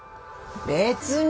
別に。